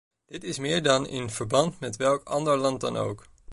Dit is meer dan in verband met welk ander land dan ook.